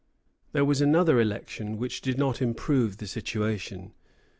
There was another election, which did not improve the situation.